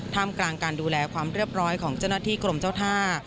มกลางการดูแลความเรียบร้อยของเจ้าหน้าที่กรมเจ้าท่า